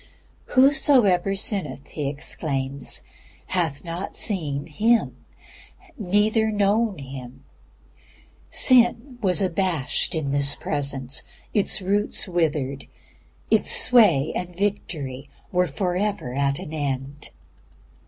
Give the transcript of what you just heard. "Whosoever sinneth," he exclaims, "hath not seen Him, neither known Him." Sin was abashed in this Presence. Its roots withered. Its sway and victory were forever at an end.